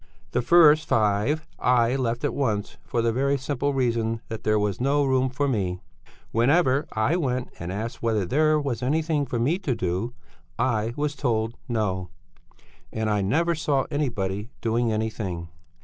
The first five I left at once for the very simple reason that there was no room for me. Whenever I went and asked whether there was anything for me to do, I was told No! And I never saw anybody doing anything.